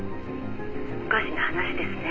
おかしな話ですね。